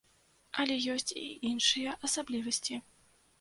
Але ёсць і іншыя асаблівасці.